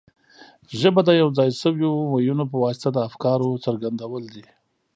ژبه د یو ځای شویو وییونو په واسطه د افکارو څرګندول دي.